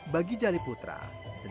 bagi jaliputra seni lenong